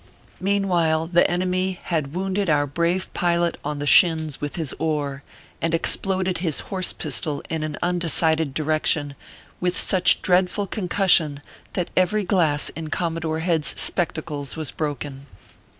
Meanwhile the enemy had wounded our brave pilot 358 ORPHEUS C. KERR PAPERS. on the shins with his oar, and exploded his horse pistol in an undecided direction, with such dreadful concussion that every glass in Commodore Head s spectacles was broken.